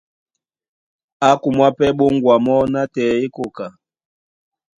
Á kumwá pɛ́ ɓóŋgwa mɔ́ nátɛɛ é koka.